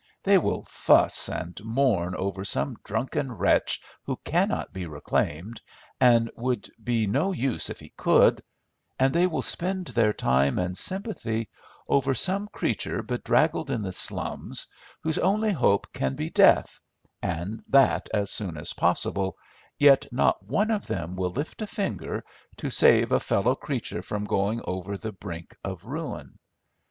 They will fuss and mourn over some drunken wretch who cannot be reclaimed, and would be no use if he could, and they will spend their time and sympathy over some creature bedraggled in the slums, whose only hope can be death, and that as soon as possible, yet not one of them will lift a finger to save a fellow creature from going over the brink of ruin.